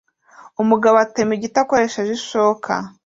Umugabo atema igiti akoresheje ishoka